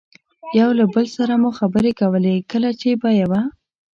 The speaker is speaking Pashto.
یو له بل سره مو خبرې کولې، کله چې به یوه.